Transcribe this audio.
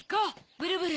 ブルブル。